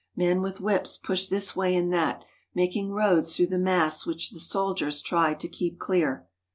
Men with whips push this way and that, making roads through the mass which the soldiers try to keep clear.